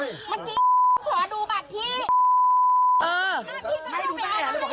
เมื่อกี้ขอดูบัตรที่